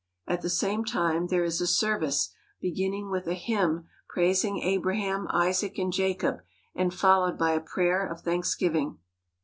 At the same time there is a service, beginning with a hymn praising Abraham, Isaac, and Jacob, and followed by a prayer of thanksgiving.